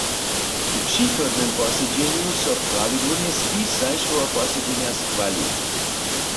W přichodnym posedźenju so prawidłownje spis zašłeho posedźenja schwali.